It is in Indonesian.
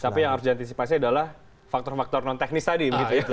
tapi yang harus diantisipasi adalah faktor faktor non teknis tadi